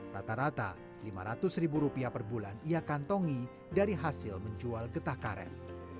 rata rata lima ratus ribu rupiah per bulan ia kantongi dari hasil menjual getah karet